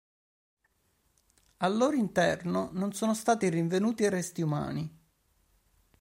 Al loro interno non sono stati rinvenuti resti umani.